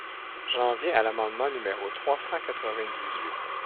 J’en viens à l’amendement numéro trois cent quatre-vingt-dix-huit.